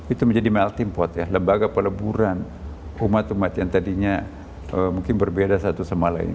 itu menjadi melting pot ya lembaga peleburan umat umat yang tadinya mungkin berbeda satu sama lain